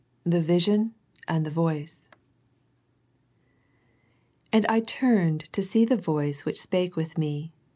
THE VISION AND THE VOICE " And I turned to see the voice which spake with me.